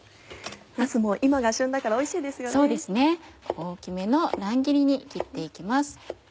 大きめの乱切りに切って行きます。